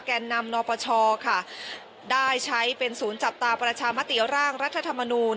แก่นนำนปชค่ะได้ใช้เป็นศูนย์จับตาประชามติร่างรัฐธรรมนูล